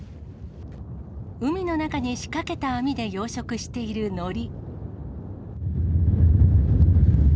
海の中に仕掛けた網で養殖しているのり。